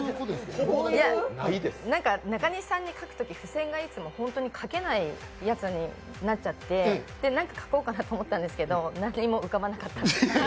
なんか、中西さんに書くときって、いつも書けないギリギリになっちゃって何か書こうかと思ったんですけど何も浮かばなかった。